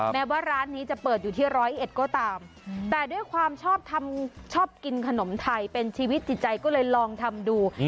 แม้ว่าร้านนี้จะเปิดอยู่ที่ร้อยเอ็ดก็ตามแต่ด้วยความชอบทำชอบกินขนมไทยเป็นชีวิตจิตใจก็เลยลองทำดู